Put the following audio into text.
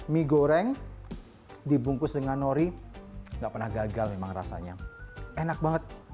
mie goreng dibungkus dengan nori nggak pernah gagal memang rasanya enak banget